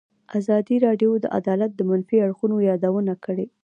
ازادي راډیو د عدالت د منفي اړخونو یادونه کړې.